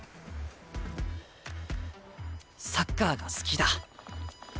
サッカーが好きだ。